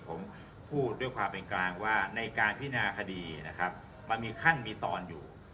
ผมพูดด้วยความเป็นกลางว่าในการพินาคดีนะครับมันมีขั้นมีตอนอยู่